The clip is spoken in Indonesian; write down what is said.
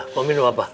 kau minum apa